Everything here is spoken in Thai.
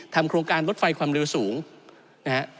โครงการรถไฟความเร็วสูงนะฮะ